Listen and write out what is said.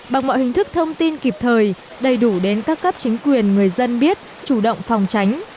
bằng mọi hình thức thông tin kịp thời đầy đủ đến các cấp chính quyền người dân biết chủ động phòng tránh